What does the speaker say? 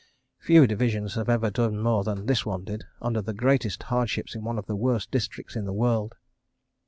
Few divisions have ever done more than this one did—under the greatest hardships in one of the worst districts in the world.